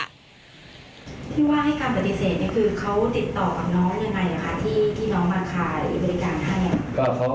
ที่ว่าให้การปฏิเสธเนี่ยคือเขาติดต่อกับน้องยังไงคะที่น้องมาคาหรือบริการให้